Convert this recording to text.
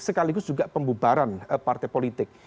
sekaligus juga pembubaran partai politik